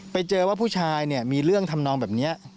ไปเจอว่าผู้ชายเนี่ยมีเรื่องทำนองแบบนี้